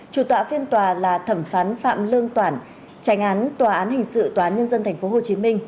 chủ tọa phiên tòa là thẩm phán phạm lương toản tranh án tòa án hình sự tòa án nhân dân tp hcm